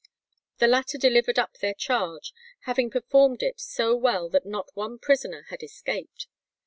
The latter delivered up their charge, "having performed it so well that not one prisoner had escaped."